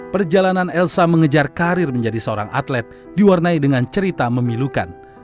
perjalanan elsa mengejar karir menjadi seorang atlet diwarnai dengan cerita memilukan